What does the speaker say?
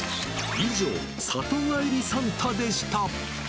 以上、里帰りサンタでした。